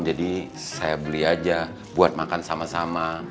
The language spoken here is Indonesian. jadi saya beli aja buat makan sama sama